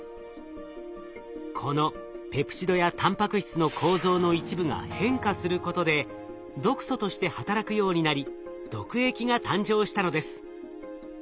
このペプチドやたんぱく質の構造の一部が変化することで毒素として働くようになり毒液が誕生したのです。